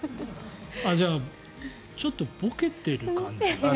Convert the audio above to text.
じゃあちょっとボケてる感じ？